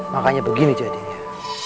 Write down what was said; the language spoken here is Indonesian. makanya begini jadinya